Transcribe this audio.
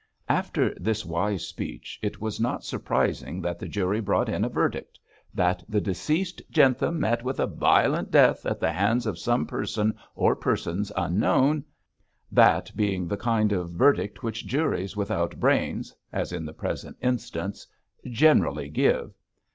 After this wise speech it was not surprising that the jury brought in a verdict, 'That the deceased Jentham met with a violent death at the hands of some person or persons unknown,' that being the kind of verdict which juries without brains as in the present instance generally give.